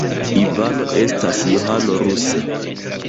Ivano estas Johano ruse.